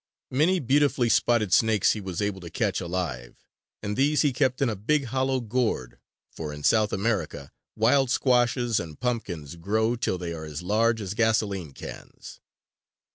Many beautifully spotted snakes he was able to catch alive; and these he kept in a big hollow gourd for in South America wild squashes and pumpkins grow till they are as large as gasoline cans.